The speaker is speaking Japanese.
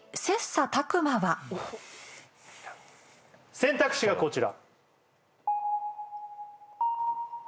選択肢がこちら